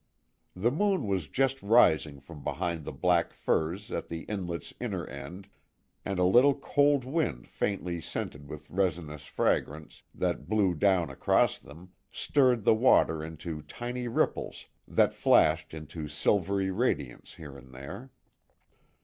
The moon was just rising from behind the black firs at the inlet's inner end, and a little cold wind faintly scented with resinous fragrance, that blew down across them, stirred the water into tiny ripples that flashed into silvery radiance here and there.